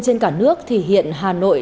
trên cả nước thì hiện hà nội